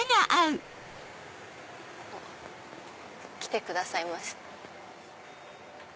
あっ来てくださいました。